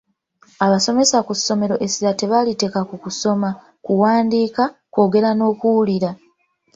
Abasomesa ku ssomero essira tebaliteeka ku kusoma, kuwandiika, kwogera n'okuwuliriza.